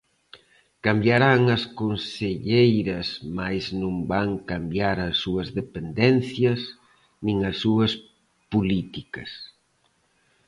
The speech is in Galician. Cambiarán as conselleiras mais non van cambiar as súas dependencias nin as súas políticas.